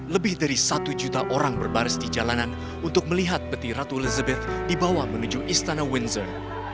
lebih dari satu juta orang berbaris di jalanan untuk melihat peti ratu elizabeth dibawa menuju istana windsor